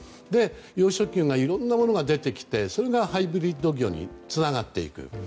養殖魚がいろんなものが出てきてそれがハイブリッド魚につながっていく。